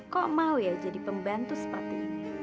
kok mau ya jadi pembantu seperti ini